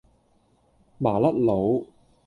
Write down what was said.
麻甩佬